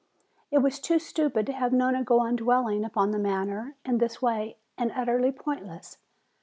It was too stupid to have Nona go on dwelling upon the matter in this way and utterly pointless.